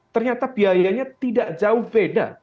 ternyata biayanya tidak jauh beda